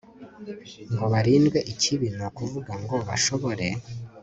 ngo barindwe ikibi ni ukuvuga ngo bashobore